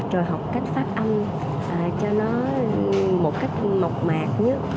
rồi học cách phát âm cho nó một cách mọc mạc nhất